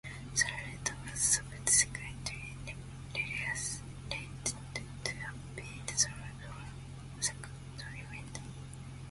The latter was subsequently revealed to have been thrown from a second-story window.